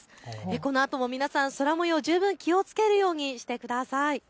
このあとも皆さん、空もように十分気をつけるようにしてください。